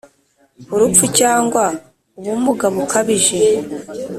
Urupfu cyangwa ubumuga bukabije.